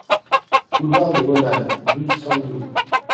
Boulevard de Bonald, douze, cent Millau